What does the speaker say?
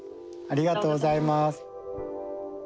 ありがとうございます。